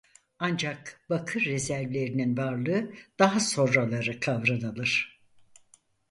Ancak bakır rezervlerinin varlığı daha sonraları kavranılır.